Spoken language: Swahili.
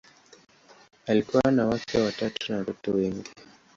Alikuwa na wake watatu na watoto wengi.